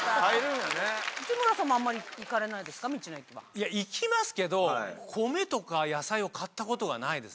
いや行きますけど米とか野菜を買ったことがないです